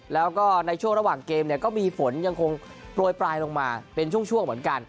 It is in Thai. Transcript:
แล้วก็ในช่วงระหว่างเกมเนี่ยก็มีฝนยังคงโปรยปลายลงมาเป็นช่วงเหมือนกัน